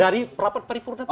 dari rapat paripurna tadi